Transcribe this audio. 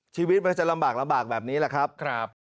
ชีวิตมันก็จะลำบากแบบนี้แหละครับ